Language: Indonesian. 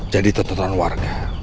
jadi tentuan warga